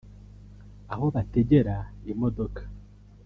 aho bategera imodoka